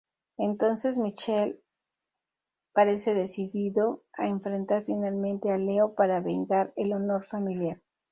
Entonces Michele parece decidido a enfrentar finalmente a Leo para vengar el honor familiar.